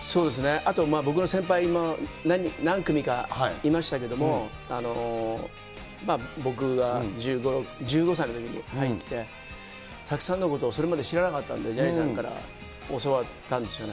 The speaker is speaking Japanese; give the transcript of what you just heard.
あと、僕の先輩、何組かいましたけど、僕が１５歳のときに入って、たくさんのことを、それまで知らなかったんで、ジャニーさんから教わったんですよね。